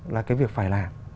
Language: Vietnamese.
là cái việc phải làm